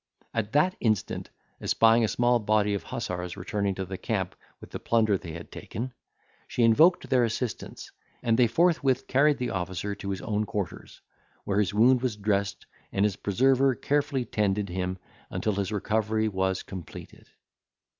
At that instant, espying a small body of hussars returning to the camp with the plunder they had taken, she invoked their assistance, and they forthwith carried the officer to his own quarters, where his wound was dressed, and his preserver carefully tended him until his recovery was completed.